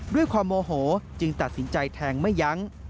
ด้วยความโมโหจึงตัดสินใจแทงไม่ยั้ง